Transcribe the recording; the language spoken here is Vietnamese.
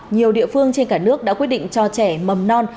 nhiều địa phương trên cả nước đã quyết định cho trẻ mầm non